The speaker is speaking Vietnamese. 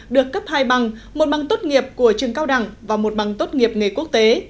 được cấp hai bằng một bằng tốt nghiệp của trường cao đẳng và một bằng tốt nghiệp nghề quốc tế